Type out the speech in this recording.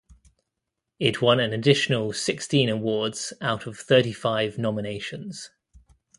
It won an additional sixteen awards out of thirty-five nominations.